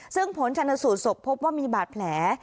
ซึ่งผลชนสูตรศพพบว่ามีบาดแผล